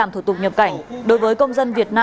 thưa quý vị